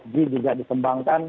lima g juga dikembangkan